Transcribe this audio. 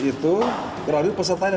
ikutan grup teman teman